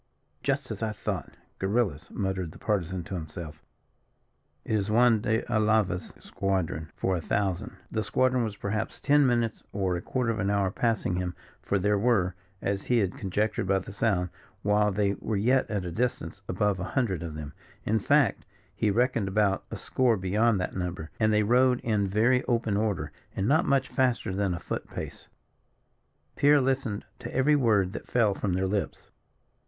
"Just as I thought, guerillas," muttered the Partisan to himself. "It is Juan de Alava's squadron, for a thousand." The squadron was perhaps ten minutes or a quarter of an hour passing him, for there were, as he had conjectured by the sound, while they were yet at a distance, above a hundred of them in fact, he reckoned about a score beyond that number and they rode in very open order, and not much faster than a foot pace. Pierre listened to every word that fell from their lips.